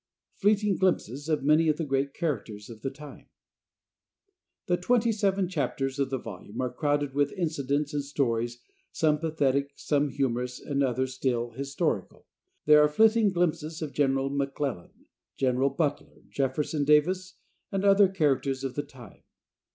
"Fleeting Glimpses of Many of the Great Characters of the Time." The twenty seven chapters of the volume are crowded with incidents and stories, some pathetic, some humorous and others still, historical. There are flitting glimpses of General McClellan, General Butler, Jefferson Davis, and other characters of the time.